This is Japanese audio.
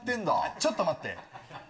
ちょっと待って。